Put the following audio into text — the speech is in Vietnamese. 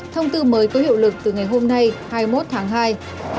thông tư mới có hiệu lực từ ngày hôm nay